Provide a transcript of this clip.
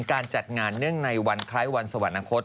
การจัดงานเนื่องในวันคล้ายวันสวรรคต